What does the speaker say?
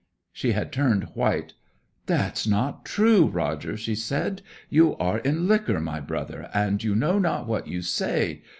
She had turned white. 'That's not true, Roger!' she said. 'You are in liquor, my brother, and you know not what you say!